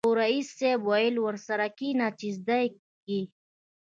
خو ريس صيب ويلې ورسره کېنه چې زده يې کې.